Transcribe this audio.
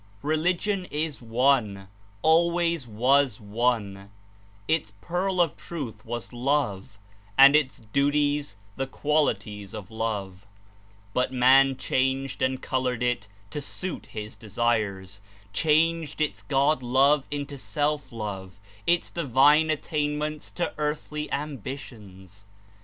Religion Is one, always was one; its pearl of truth was Love and its duties the qualities of love, but man changed and colored it to suit his desires, changed its God love into self love, its divine attain ments to earthly ambitions.